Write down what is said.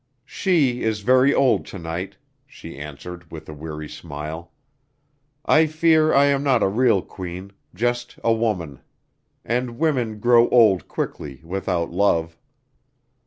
"She is very old to night," she answered, with a weary smile. "I fear I am not a real queen, just a woman. And women grow old quickly without love."